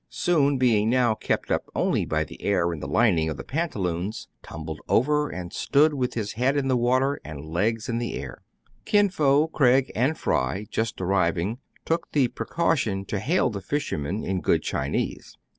Soun, being now kept up only by the air in the lining of the pantaloons, tumbled over, and stood with his head in the water, and legs in the air. ' Kin Fo, Craig, and Fry, just arriving, took the precaution to hail the fishermen in good Chinese.